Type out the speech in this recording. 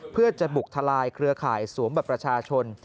เพื่อจะบุกทลายเครือข่ายสวมบัตรประชาชน